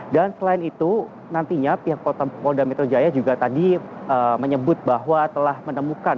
dan selain itu nantinya pihak polda metro jaya juga tadi menyebut bahwa telah menemukan